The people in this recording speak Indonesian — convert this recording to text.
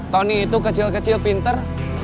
tony itu kecil kecil pinter